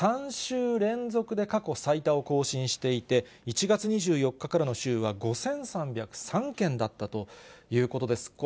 ３週連続で過去最多を更新していて、１月２４日からの週は５３０３件だったということです。